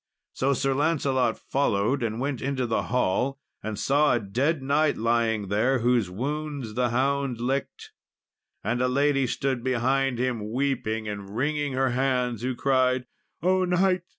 So Sir Lancelot followed, and went into the hall, and saw a dead knight lying there, whose wounds the hound licked. And a lady stood behind him, weeping and wringing her hands, who cried, "O knight!